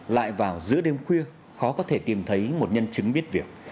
lại vào giữa đêm khuya khó có thể tìm thấy một nhân chứng biết việc